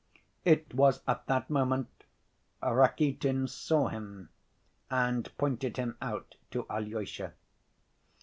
It was at that moment Rakitin saw him and pointed him out to Alyosha.